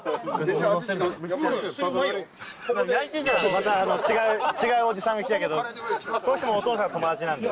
また違うおじさんが来たけどこの人もお父さんの友達なんで。